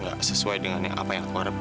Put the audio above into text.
dia gak sesuai dengan apa yang aku harapin